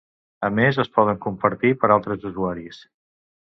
A més es poden compartir per altres usuaris.